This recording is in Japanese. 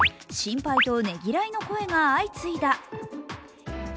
心配とねぎらいの声が相次いだ。